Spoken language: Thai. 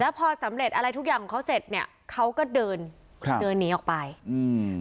พอสำเร็จอะไรทุกอย่างของเขาเสร็จเนี้ยเขาก็เดินครับเดินหนีออกไปอืม